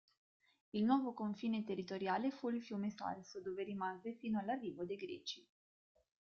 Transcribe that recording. Il nuovo confine territoriale fu il fiume Salso dove rimase fino all'arrivo dei Greci.